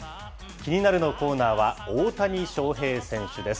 キニナル！のコーナーは、大谷翔平選手です。